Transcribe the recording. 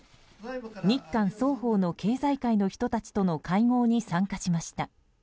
日韓双方の経済界の人たちとの会合に参加しました。